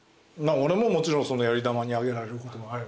俺ももちろんそのやり玉に挙げられることは。